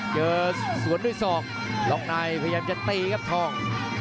สวนด้วยศอกล็อกในพยายามจะตีครับทอง